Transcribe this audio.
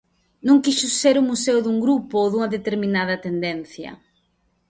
Non quixo ser o museo dun grupo ou dunha determinada tendencia.